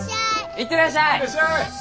行ってらっしゃい！